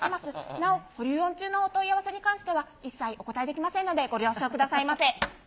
なお保留音中のお問い合わせに関しては一切お答えできませんので、ご了承くださいませ。